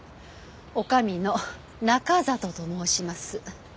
女将の中里と申します。